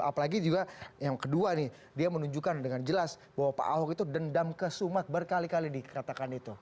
apalagi juga yang kedua nih dia menunjukkan dengan jelas bahwa pak ahok itu dendam ke sumat berkali kali dikatakan itu